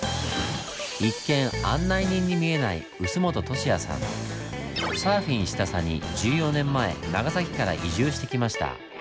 一見案内人に見えないサーフィンしたさに１４年前長崎から移住してきました。